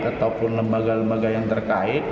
ataupun lembaga lembaga yang terkait